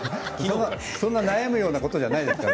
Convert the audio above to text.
そんな悩むようなことじゃないよ。